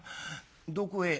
どこへ？」。